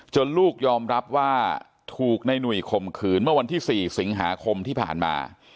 ลูกยอมรับว่าถูกในหนุ่ยข่มขืนเมื่อวันที่๔สิงหาคมที่ผ่านมา